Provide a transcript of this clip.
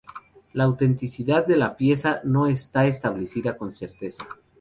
La autenticidad de la pieza no está establecida con certeza.